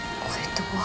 これと。